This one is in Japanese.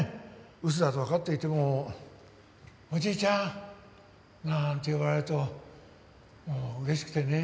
ウソだとわかっていても「おじいちゃん」なんて呼ばれるともう嬉しくてね。